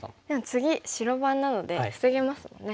次白番なので防げますもんね。